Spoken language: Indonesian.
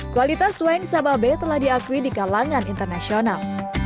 kualitas wine sababe telah diakui di kalangan internasional